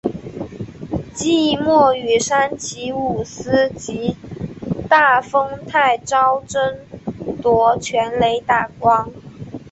季末与山崎武司及大丰泰昭争夺全垒打王。